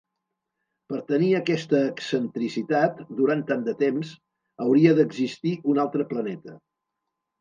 Per tenir aquesta excentricitat durant tant de temps, hauria d'existir un altre planeta.